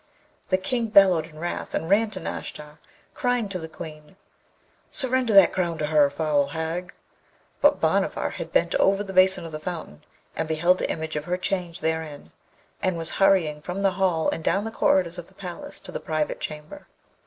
The King bellowed in wrath, and ran to Nashta, crying to the Queen, 'Surrender that crown to her, foul hag!' But Bhanavar had bent over the basin of the fountain, and beheld the image of her change therein, and was hurrying from the hall and down the corridors of the palace to the private chamber.